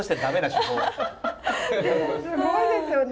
でもすごいですよね